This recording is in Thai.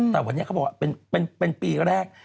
แต่วันนี้เขาบอกว่าเป็นปีแรก